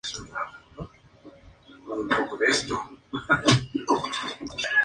Asistió a la construcción de la cámara de gas de Sobibor.